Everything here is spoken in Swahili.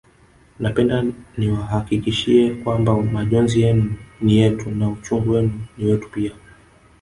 Napenda niwahakikishie kwamba majonzi yenu ni yetu na uchungu wenu ni wetu pia